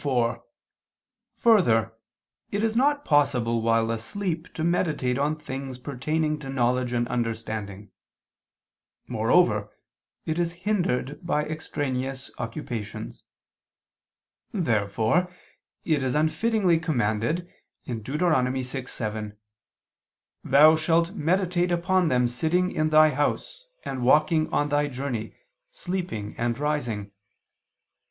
4: Further, it is not possible while asleep to meditate on things pertaining to knowledge and understanding: moreover it is hindered by extraneous occupations. Therefore it is unfittingly commanded (Deut. 6:7): "Thou shalt meditate upon them sitting in thy house, and walking on thy journey, sleeping and rising."